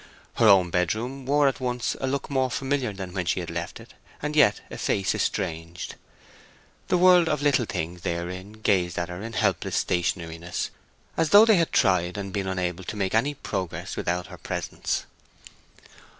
Her own bedroom wore at once a look more familiar than when she had left it, and yet a face estranged. The world of little things therein gazed at her in helpless stationariness, as though they had tried and been unable to make any progress without her presence.